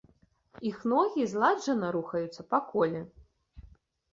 Іх ногі зладжана рухаюцца па коле.